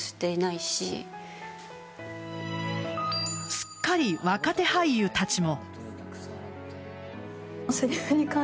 すっかり、若手俳優たちも。